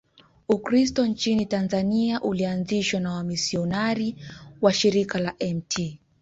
Ukristo nchini Tanzania ulianzishwa na wamisionari wa Shirika la Mt.